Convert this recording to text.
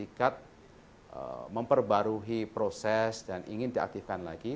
ingin atau beritikat memperbarui proses dan ingin diaktifkan lagi